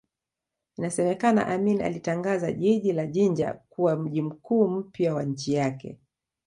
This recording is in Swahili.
Inasemekana Amin alitangaza jiji la Jinja kuwa mji mkuu mpya wa nchi yake